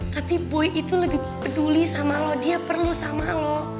tapi boy itu lebih peduli sama lo dia perlu sama loh